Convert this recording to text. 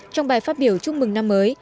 trong bài phát biểu chúc mừng năm mới